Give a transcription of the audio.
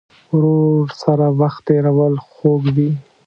ورور سره وخت تېرول خوږ وي.